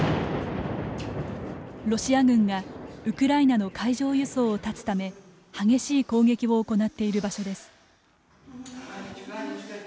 ロシア軍がウクライナの海上輸送を断つため激しい攻撃を行っている場所です。